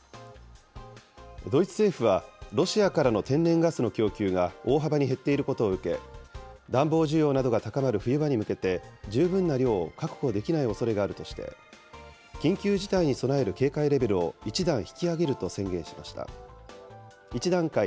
ドイツ政府は、ロシアからの天然ガスの供給が大幅に減っていることを受け、暖房需要などが高まる冬場に向けて十分な量を確保できないおそれがあるとして、緊急事態に備える警戒レベルを１段階引き上げると宣言しました。